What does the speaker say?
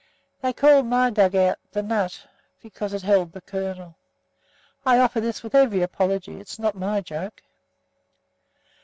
They called my dug out "The Nut," because it held the "Kernel." I offer this with every apology. It's not my joke.